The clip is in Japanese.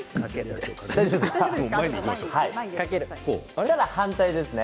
そうしたら反対ですね。